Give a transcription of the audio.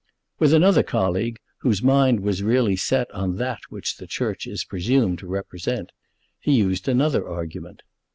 With another colleague, whose mind was really set on that which the Church is presumed to represent, he used another argument.